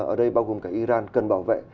ở đây bao gồm cả iran cần bảo vệ